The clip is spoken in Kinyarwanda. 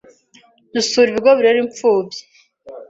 Dusura ibigo birera imfubyi n